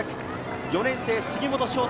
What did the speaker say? ４年生・杉本将太。